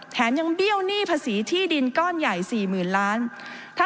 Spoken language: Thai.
แถมยังเบี้ยวหนี้ภาษีที่ดินก้อนใหญ่๔๐๐๐ล้าน